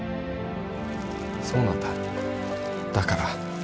そうなんだだから